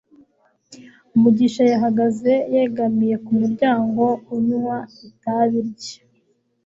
mugisha yahagaze yegamiye ku muryango unywa itabi rye